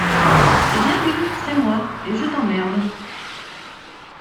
Eh bien! oui, c’est moi, et je t’emmerde !...